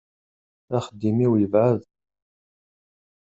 Axeddim-iw yebɛed.